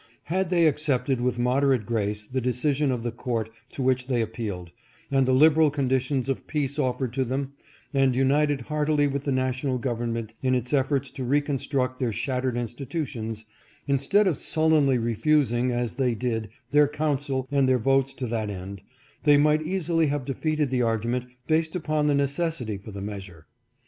Had they accepted with moderate grace the decision of the court to which they appealed, and the liberal condi tions of peace offered to them, and united heartily with the national government in its efforts to reconstruct their shattered institutions, instead of sullenly refusing as they did their counsel and their votes to that end, they might easily have defeated the argument based upon the neces sity for the measure.